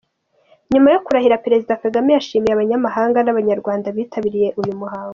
Nyuma yo kurahira Perezida Kagame yashimiye abanyamahanga n’ Abanyarwanda bitabiriye uyu muhango.